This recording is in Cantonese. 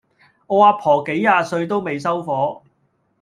我阿婆幾廿歲都未收火